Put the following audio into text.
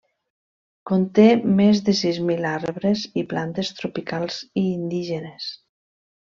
Conté més de sis mil arbres i plantes, tropicals i indígenes.